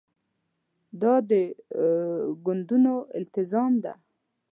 دا د ګوندونو التزام ده.